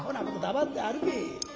黙って歩け」。